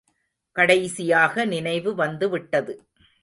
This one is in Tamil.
கடைசியாக நினைவு வந்து விட்டது.